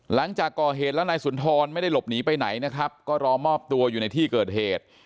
หลังจากก่อเหตุแล้วนายสุนทรไม่ได้หลบหนีไปไหนนะครับก็รอมอบตัวอยู่ในที่เกิดเหตุ